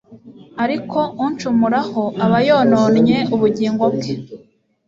Ariko uncumuraho aba yononnye ubugingo bwe